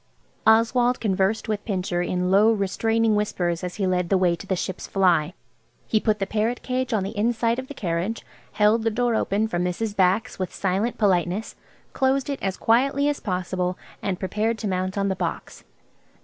Oswald conversed with Pincher in low, restraining whispers as he led the way to the "Ship's" fly. He put the parrot cage on the inside seat of the carriage, held the door open for Mrs. Bax with silent politeness, closed it as quietly as possible, and prepared to mount on the box.